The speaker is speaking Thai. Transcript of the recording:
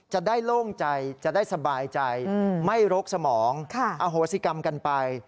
ไหม้โรคสมองอโฮศิกรรมกันไป